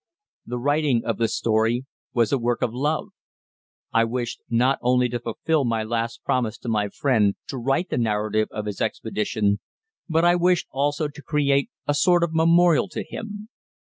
The writing of the story was a work of love. I wished not only to fulfil my last promise to my friend to write the narrative of his expedition, but I wished also to create a sort of memorial to him.